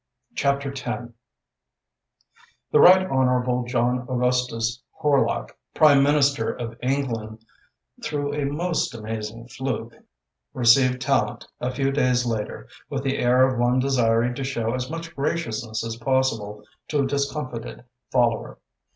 CHAPTER X The Right Honourable John Augustus Horlock, Prime Minister of England through a most amazing fluke, received Tallente, a few days later, with the air of one desiring to show as much graciousness as possible to a discomfited follower.